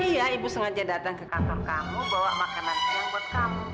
iya ibu sengaja datang ke kantor kamu bawa makanan siang buat kamu